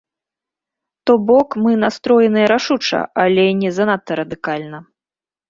То бок, мы настроеныя рашуча, але не занадта радыкальна.